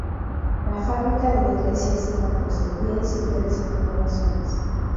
La fábrica de la iglesia es de mampostería y sillares en algunas zonas.